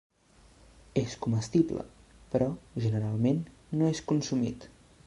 És comestible, però, generalment, no és consumit.